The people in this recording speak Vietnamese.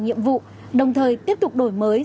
nhiệm vụ đồng thời tiếp tục đổi mới